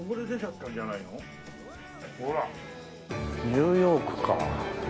ニューヨークか。